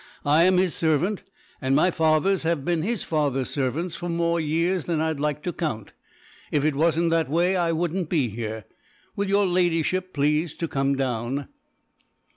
I am his servant, and my fathers have been his fathers' servants for more years than I'd like to count. If it wasn't that way I wouldn't be here. Will your Ladyship please to come down?"